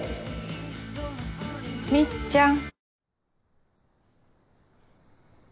みっちゃん。